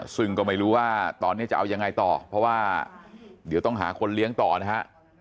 ซึ่งก็ไม่รู้ว่าตอนนี้จะเอายังไงต่อเพราะว่าเดี๋ยวต้องหาคนเลี้ยงต่อนะฮะ